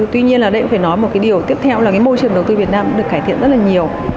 tuy nhiên là đây cũng phải nói một cái điều tiếp theo là cái môi trường đầu tư việt nam được cải thiện rất là nhiều